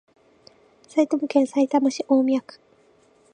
埼玉県さいたま市大宮区